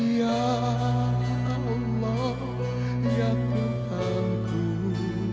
ya allah yang tetangguh